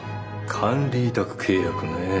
管理委託契約ね。